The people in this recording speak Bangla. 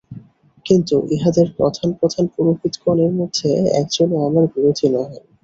কিন্তু ইহাদের প্রধান প্রধান পুরোহিতগণের মধ্যে একজনও আমার বিরোধী নহেন।